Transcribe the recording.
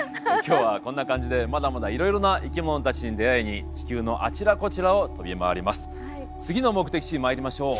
今日はこんな感じでまだまだいろいろな生き物たちに出会いに地球のあちらこちらを飛び回ります。